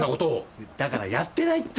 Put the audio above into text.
だからやってないって。